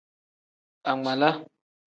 Angmaala.